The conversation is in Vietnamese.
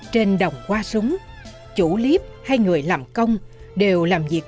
trên đồng qua súng chủ liếp hay người làm công đều làm việc